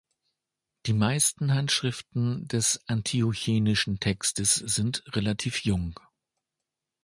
Die meisten Handschriften des antiochenischen Textes sind relativ jung.